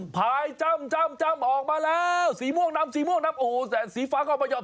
อ๋อพายจ้ำออกมาแล้วสีม่วงน้ำโอ้โหแต่สีฟ้าก็ไม่ยอม